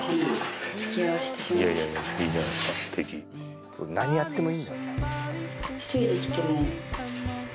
いやいやいいじゃないですか素敵何やってもいいんだよ